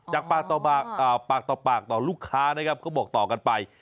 ปากต่อปากต่อลูกค้านะครับก็บอกต่อกันไป